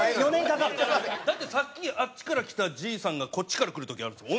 だってさっきあっちから来たじいさんがこっちから来る時あるんですよ